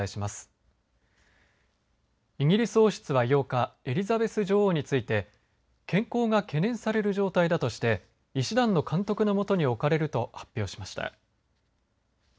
ニュースをお伝えします．イギリス王室は８日エリザベス女王について健康が懸念される状態だとして医師団の監督の下に置かれると発表しました。